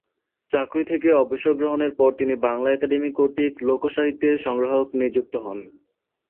চাকরি থেকে অবসর গ্রহণের পর তিনি বাংলা একাডেমী কর্তৃক লোকসাহিত্যের সংগ্রাহক নিযুক্ত হন।